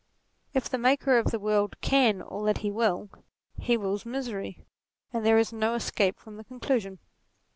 If the maker of the world can all that he will, he wills misery, and there is 110 escape from the conclusion.